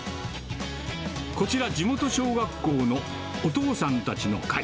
こちら、地元小学校のお父さんたちの会。